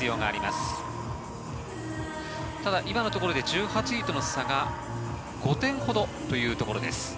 ただ、今のところで１８位との差が５点ほどということです。